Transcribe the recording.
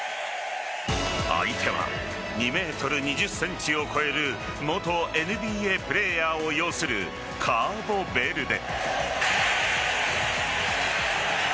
相手は２ｍ２０ｃｍを超える元ＮＢＡプレーヤーを擁するカーボベルデ。